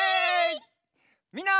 みんな！